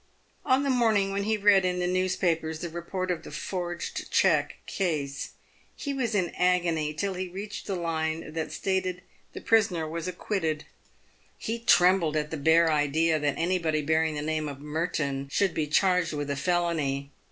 On the morning when he read in the newspapers the report of the forged cheque case, he was in agony till he reached the line that stated the prisoner w r as acquitted. He trembled at the bare idea that any body bearing the name of Merton should be charged with a felony.